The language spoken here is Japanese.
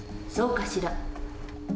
そうかしら。